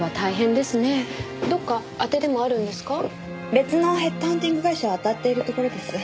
別のヘッドハンティング会社を当たっているところです。